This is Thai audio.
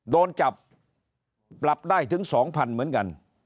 โดนจับปรับได้ถึง๒๐๐๐เหมือนกัน